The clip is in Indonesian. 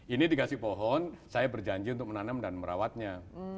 ini dikasih pohon saya berjanji untuk menanam dan merawatnya